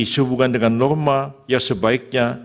sehubungan dengan norma ya sebaiknya